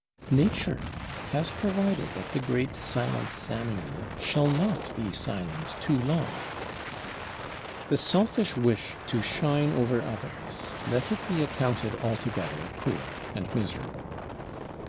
Nature has provided that the great silent Samuel shall not be silent too long. The selfish wish to shine over others, let it be accounted altogether poor and miserable.